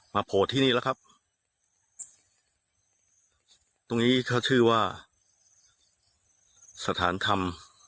โผล่ที่นี่แล้วครับตรงนี้เขาชื่อว่าสถานธรรม